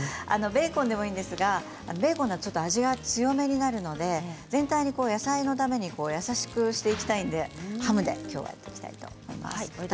ベーコンでもいいんですがベーコンだとちょっと味が強めになるので全体に野菜のために優しくしていきたいのでハムで、きょうはいきたいと思います。